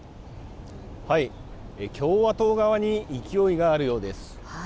共和党側に勢いがあるようです。